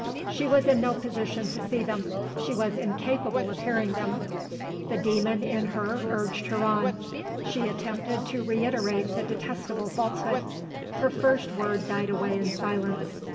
She was in no position to see them: she was incapable of hearing them. The demon in her urged her on: she attempted to reiterate the detestable falsehood. Her first word died away in silence.